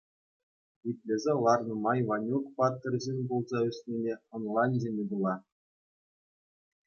Итлесе ларнӑ май Ванюк паттӑр ҫын пулса ӳснине ӑнланчӗ Микула.